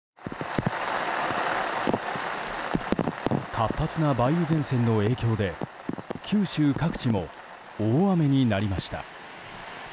活発な梅雨前線の影響で九州各地も大雨になりました。